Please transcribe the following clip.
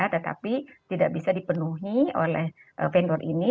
tetapi tidak bisa dipenuhi oleh vendor ini